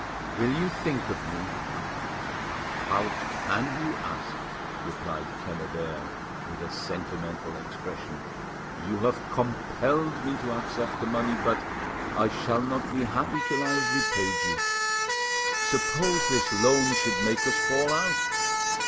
"Will you think of me?" "How can you ask?" replied Quennebert, with a sentimental expression. "You have compelled me to accept the money, but—I shall not be happy till I have repaid you. Suppose this loan should make us fall out?"